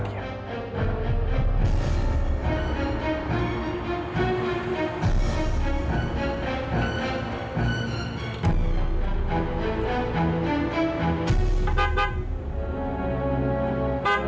dan mengungkaponya apa reichtinya